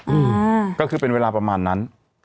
อืมก็คือเป็นเวลาประมาณนั้น